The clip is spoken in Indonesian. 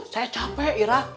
saya capek ira